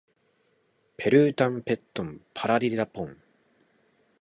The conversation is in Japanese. ペルータンペットンパラリラポン